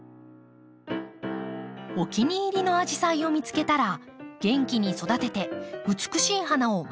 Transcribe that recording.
お気に入りのアジサイを見つけたら元気に育てて美しい花を毎年咲かせましょう。